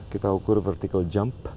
kita ukur vertical jump